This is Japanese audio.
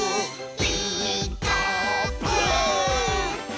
「ピーカーブ！」